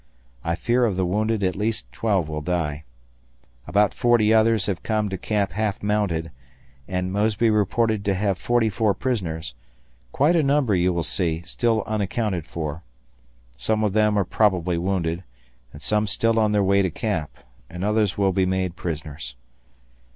I fear of the wounded at least 12 will die. About 40 others have come to camp half mounted, and Mosby reported to have 44 prisoners; quite a number, you will see, still unaccounted for. Some of them are probably wounded, and some still on their way to camp, and others will be made prisoners.